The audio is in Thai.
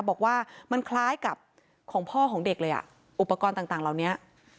บอกว่ามันคล้ายกับของพ่อของเด็กเลยอ่ะอุปกรณ์ต่างเหล่านี้